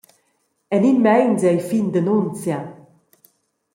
En in meins ei fin d’annunzia.